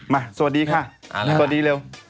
สวัสดีค่ะสวัสดีเร็ว